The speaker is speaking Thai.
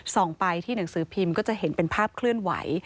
ไปที่หนังสือพิมพ์ก็จะเห็นเป็นภาพเคลื่อนไหว